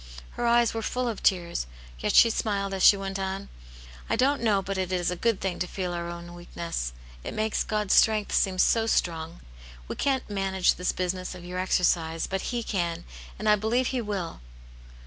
Her eyes were full of tears, yet she smiled as she went on. " I don't know but it is a good thing to feel our own weakness ; it makes God's strength seem so strong. We can't manage this business of your exer cise, but He can, and I believe He will."